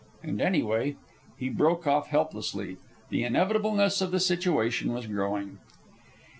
And anyway " He broke off helplessly. The inevitableness of the situation was growing.